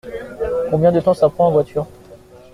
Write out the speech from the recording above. Combien de temps ça prend en voiture ?